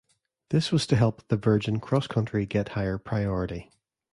This was to help the Virgin CrossCountry get higher priority.